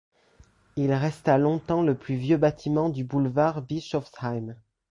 Il resta longtemps le plus vieux bâtiment du boulevard Bisschoffsheim.